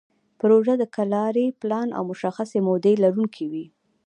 پروژه د کاري پلان او مشخصې مودې لرونکې وي.